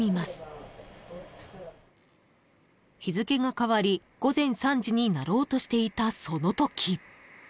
［日付が変わり午前３時になろうとしていたそのとき］